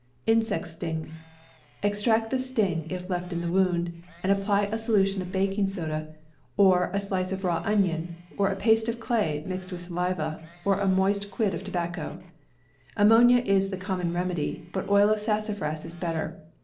Extract the sting, if left in the wound, and apply a solution of baking soda, or a slice of raw onion, or a paste of clay, mixed with saliva, or a ^f^^ moist quid of tobacco. Ammonia is ^* the common remedy, but oil of sassa fras is better.